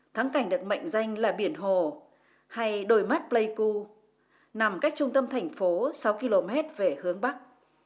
thắng cảnh được mệnh danh là biển hồ hay đồi mắt pleiku nằm cách trung tâm thành phố sáu km về hướng bắc